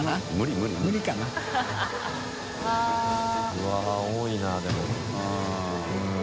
うわっ多いなでも。